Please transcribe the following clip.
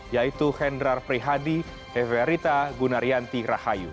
yaitu hendra prihadi heverita gunaryanti rahayu